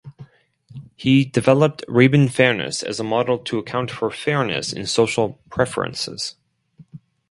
He developed Rabin fairness as a model to account for fairness in social preferences.